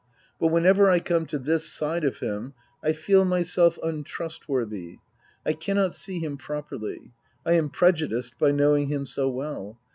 But whenever I come to this side of him I feel myself untrustworthy. I cannot see him properly. I am prejudiced by knowing him so well.